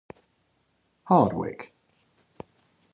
Hardwick.